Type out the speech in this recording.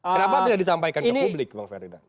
kenapa tidak disampaikan ke publik bang ferdinand